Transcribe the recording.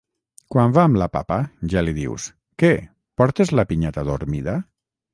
Quan va amb la papa, ja li dius: "què, portes la pinyata dormida?"